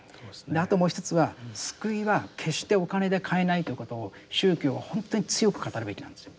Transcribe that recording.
あともう一つは救いは決してお金で買えないということを宗教は本当に強く語るべきなんですよ。